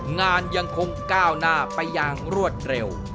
งานยังคงก้าวหน้าไปอย่างรวดเร็ว